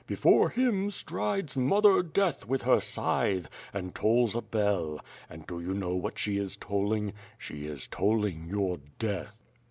Before him, strides ^Mother Death,^ with her scythe, and tolls a bell; and do you know what she is tolling? She is tolling your death."